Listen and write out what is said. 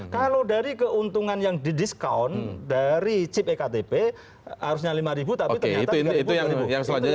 kalau dari keuntungan yang didiskon dari chip ektp harusnya lima ribu tapi ternyata tiga ribu